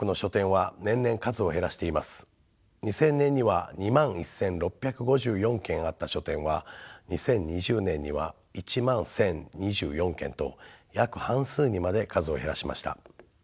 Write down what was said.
２０００年には２１，６５４軒あった書店は２０２０年には１１，０２４軒と約半数にまで数を減らしました。